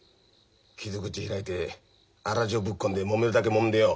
傷口開いて粗塩ぶっ込んでもめるだけもんでよ。